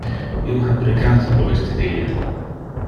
Io ha precate pro iste die.